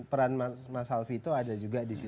peran mas alfie itu ada juga di situ